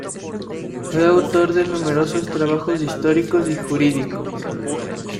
Fue autor de numerosos trabajos históricos y jurídicos.